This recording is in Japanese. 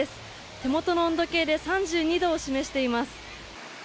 手元の温度計で３２度を示しています。